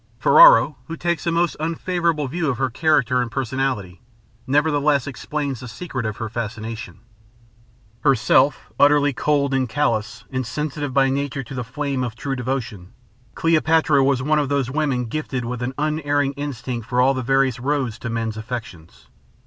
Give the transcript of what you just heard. Ferrero, who takes a most unfavorable view of her character and personality, nevertheless explains the secret of her fascination: Herself utterly cold and callous, insensitive by nature to the flame of true devotion, Cleopatra was one of those women gifted with an unerring instinct for all the various roads to men's affections.